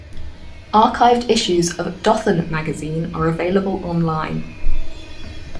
Archived issues of "Dothan Magazine" are available online.